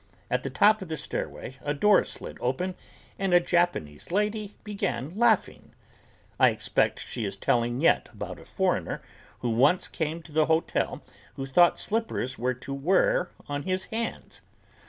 At the top of the stairway a door slid open and a Japanese lady began laughing. I expect she is telling yet about a foreigner who once came to the hotel who thought slippers were to wear on his hands.